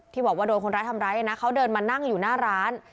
บอกว่าโดนคนร้ายทำร้ายนะเขาเดินมานั่งอยู่หน้าร้าน